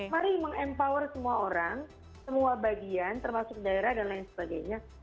mari meng empower semua orang semua bagian termasuk daerah dan lain sebagainya